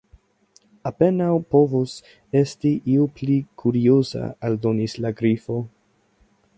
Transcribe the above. "Apenaŭ povus esti io pli kurioza," aldonis la Grifo.